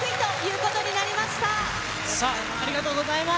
ありがとうございます。